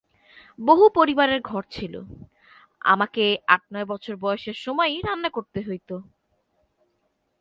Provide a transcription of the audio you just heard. বহু পরিবারের ঘর ছিল, আমাকে আট-নয় বৎসর বয়সের সময়েই রান্না করিতে হইত।